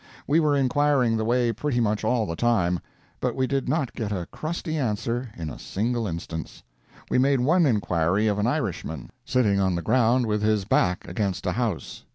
We were inquiring the way pretty much all the time, but we did not get a crusty answer in a single instance. We made one inquiry of an Irishman, sitting on the ground with his back against a house.